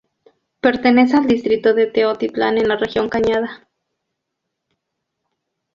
Pertenece al distrito de Teotitlán, en la región Cañada.